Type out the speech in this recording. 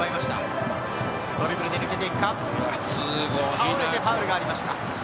倒れてファウルがありました。